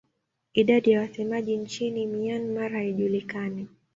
Idadi ya wasemaji nchini Myanmar haijulikani.